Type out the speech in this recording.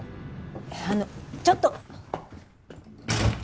いやあのちょっと。